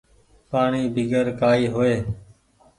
پآڻيٚ بيگر ڪآئي هوئي ۔